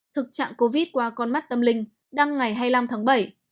thực trạng covid qua con mắt tâm linh đăng ngày hai mươi năm tháng bảy